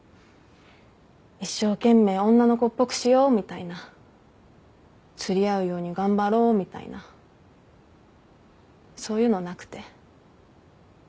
一生懸命女の子っぽくしようみたいな釣り合うように頑張ろうみたいなそういうのなくて。